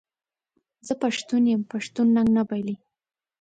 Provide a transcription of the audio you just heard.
زه پښتون یم پښتون ننګ نه بایلي.